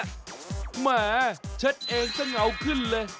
แหมเช็ดเองจะเหงาขึ้นเลย